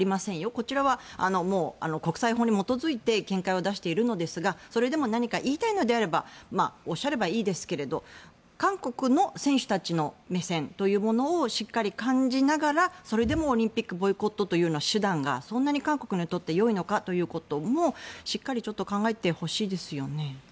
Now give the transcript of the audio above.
こちらは、もう国際法に基づいて見解を出しているのですがそれでも何か言いたいのであればおっしゃればいいですけれど韓国の選手たちの目線というものをしっかり感じながらそれでもオリンピックをボイコットというような手段がそんなに韓国にとってよいのかということもしっかり考えてほしいですね。